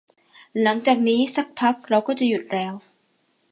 หลังจากนี้อีกสักพักเราก็จะหยุดแล้ว